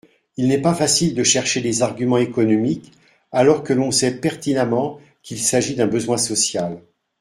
Il n’est pas facile de chercher des arguments économiques alors que l’on sait pertinemment qu’il s’agit d’un besoin social.